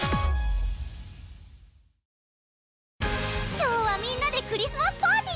今日はみんなでクリスマスパーティ！